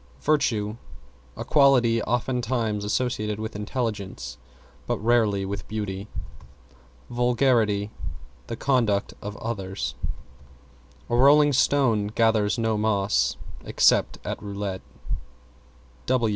=VIRTUE= A quality oftentimes associated with intelligence, but rarely with beauty. =VULGARITY= The conduct of others. A rolling stone gathers no moss except at roulette.